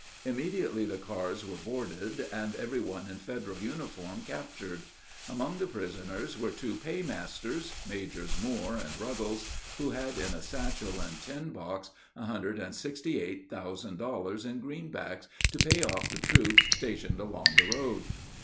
Immediately the cars were boarded, and every one in Federal uniform captured. Among the prisoners were two paymasters, Majors Moore and Ruggles, who had in a satchel and tin box $168,000, in greenbacks, to pay off the troops stationed along the road.